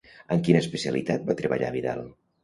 En quina especialitat va treballar Vidal?